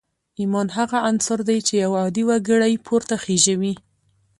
ایمان هغه عنصر دی چې یو عادي وګړی پورته خېژوي